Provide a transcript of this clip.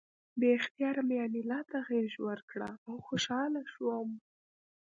بې اختیاره مې انیلا ته غېږ ورکړه او خوشحاله شوم